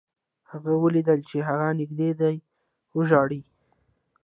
هغې ولیدل چې هغه نږدې دی وژاړي